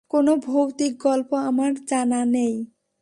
কোনো ভৌতিক গল্প আমার জানা নেই।